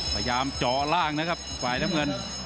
พยายามเจาะล่างนะครับฝ่ายน้ำเงิน